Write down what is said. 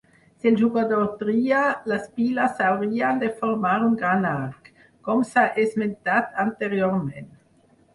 Si el jugador tria, les piles haurien de formar un gran arc, com s'ha esmentat anteriorment.